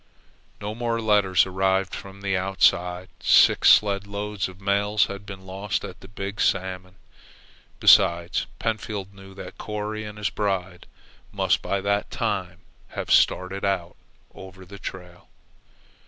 No more letters arrived from the outside. Six sledloads of mails had been lost at the Big Salmon. Besides, Pentfield knew that Corry and his bride must by that time have started in over the trail.